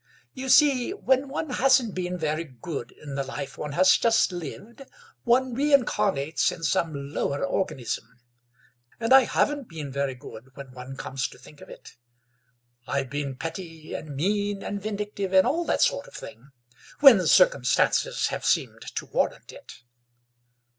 You see, when one hasn't been very good in the life one has just lived, one reincarnates in some lower organism. And I haven't been very good, when one comes to think of it. I've been petty and mean and vindictive and all that sort of thing when circumstances have seemed to warrant it."